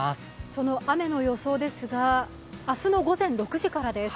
その雨の予想ですが、明日の午前６時からです。